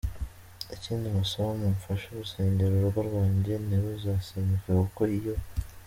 Ikindi mbasaba mu mfashe gusengera urugo rwange ntiruzasenyuke kuko iyo.